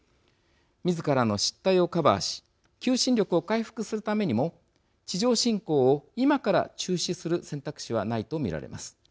みずからの失態をカバーし求心力を回復するためにも地上侵攻を今から中止する選択肢はないと見られます。